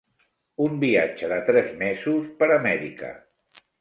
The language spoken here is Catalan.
Un viatge de tres mesos per Amèrica.